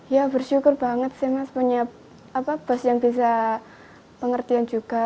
ya bersyukur banget sih mas punya bos yang bisa pengertian juga